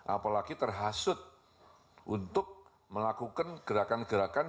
apalagi terhasut untuk melakukan gerakan gerakan